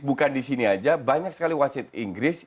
bukan di sini saja banyak sekali wasid inggris